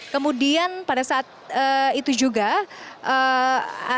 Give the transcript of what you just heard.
kemudian pada saat itu juga andina rogo juga sempat memang bertemu dengan beberapa orang